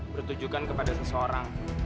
bertujukan kepada seseorang